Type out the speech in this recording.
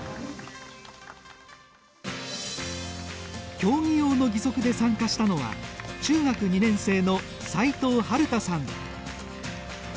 競技用の義足で参加したのは中学２年生の齋藤暖太さん。